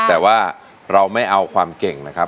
แต่ว่าเราไม่เอาความเก่งนะครับ